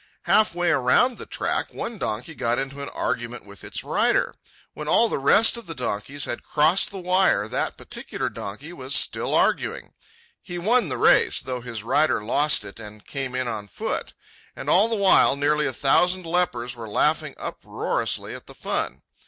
Halfway around the track one donkey got into an argument with its rider. When all the rest of the donkeys had crossed the wire, that particular donkey was still arguing. He won the race, though his rider lost it and came in on foot. And all the while nearly a thousand lepers were laughing uproariously at the fun.